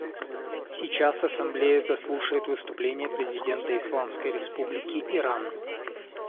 Сейчас Ассамблея заслушает выступление президента Исламской Республики Иран.